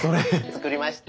作りました。